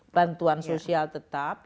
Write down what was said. bantuan sosial tetap